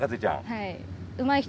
はい。